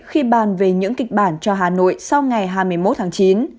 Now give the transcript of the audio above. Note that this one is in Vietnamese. khi bàn về những kịch bản cho hà nội sau ngày hai mươi một tháng chín